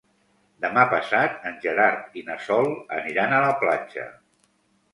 Demà passat en Gerard i na Sol aniran a la platja.